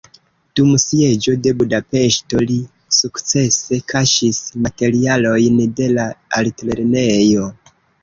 Dum sieĝo de Budapeŝto li sukcese kaŝis materialojn de la altlernejo.